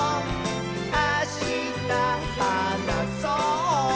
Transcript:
あしたはなそう！」